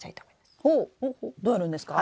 どうやるんですか？